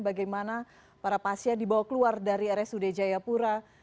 bagaimana para pasien dibawa keluar dari rsud jayapura